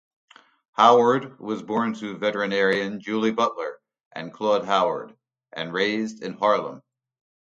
Howard was born to veterinarian Julie Butler and Claude Howard and raised in Harlem.